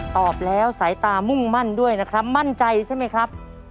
ตอบแล้วสายตามุ่งมั่นด้วยนะครับมั่นใจใช่ไหมครับ